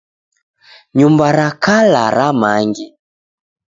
Nyumba ra kala ramange.